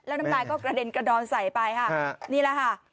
แล้วน้ำลายก็กระเด็นกระดอนใส่ไปค่ะนี่แหละค่ะ